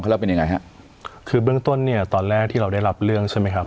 แล้วเป็นยังไงฮะคือเบื้องต้นเนี่ยตอนแรกที่เราได้รับเรื่องใช่ไหมครับ